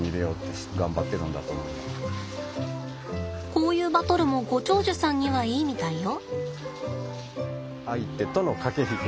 こういうバトルもご長寿さんにはいいみたいよ。